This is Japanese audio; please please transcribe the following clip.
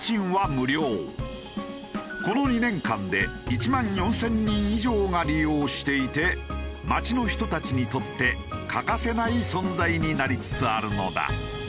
この２年間で１万４０００人以上が利用していて町の人たちにとって欠かせない存在になりつつあるのだ。